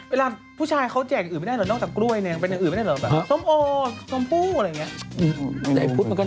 พี่หนุ่มเวลาผู้ชายเขาแจกอื่นไม่ได้หรอ